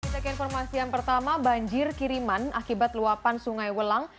kita ke informasi yang pertama banjir kiriman akibat luapan sungai welang